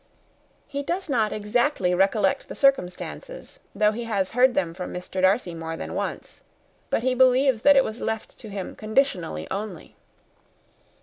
"He does not exactly recollect the circumstances, though he has heard them from Mr. Darcy more than once, but he believes that it was left to him conditionally only."